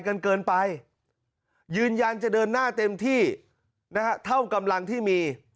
กันเกินไปยืนยันจะเดินหน้าเต็มที่นะฮะเท่ากำลังที่มี